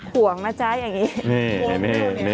ห่วงนะจ๊ะอย่างนี้